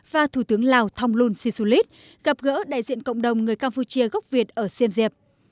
và thủ tướng lào thong lun sisulit gặp gỡ đại diện cộng đồng người campuchia gốc việt ở xiêm diệp